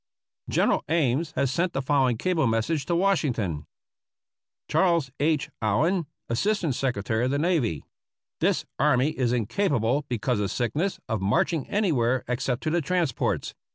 '' General Ames has sent the following cable message to Washington : Charles H. Allen, Assistant Secretary of the Navy : This army is incapable, because of sickness, of march ing anywhere except to the transports.